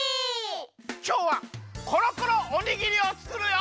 きょうはコロコロおにぎりをつくるよ！